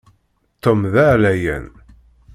Tom d aɛlayan.